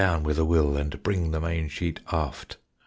Come down with a will And bring the main sheet aft.